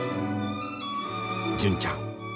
純ちゃん